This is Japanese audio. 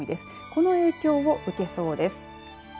この影響を受けそうです。